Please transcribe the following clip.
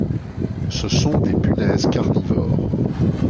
Ce sont des punaises carnivores.